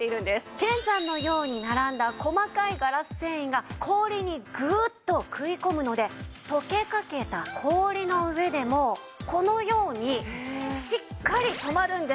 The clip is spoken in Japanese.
剣山のように並んだ細かいガラス繊維が氷にグーッと食い込むので溶けかけた氷の上でもこのようにしっかり止まるんです。